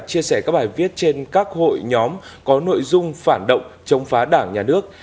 chia sẻ các bài viết trên các hội nhóm có nội dung phản động chống phá đảng nhà nước